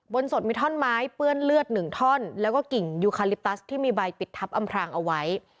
สดมีท่อนไม้เปื้อนเลือดหนึ่งท่อนแล้วก็กิ่งยูคาลิปตัสที่มีใบปิดทับอำพรางเอาไว้